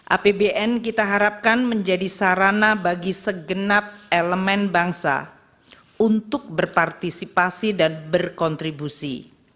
apbn kita harapkan menjadi sarana bagi segenap elemen bangsa untuk berpartisipasi dan berkontribusi